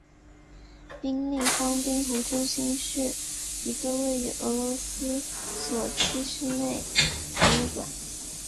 冰立方冰壶中心是一个位于俄罗斯索契的室内体育馆。